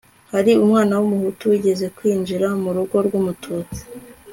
hari umwana w'umuhutu wigeze kwinjira mu rugo rw'umututsi